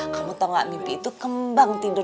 kamu tahu gak mimpi itu kembang tidur